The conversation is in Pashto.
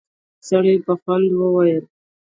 سړي په خوند وويل: